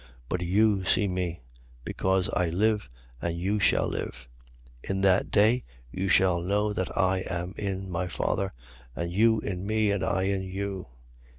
But you see me: because I live, and you shall live. 14:20. In that day you shall know that I am in my Father: and you in me, and I in you.